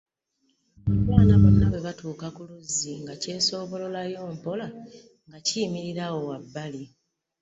Abaana bonna bwe baatuuka ku luzzi, nga kyesoobololayo mpola, nga kiyimirira awo wabbali.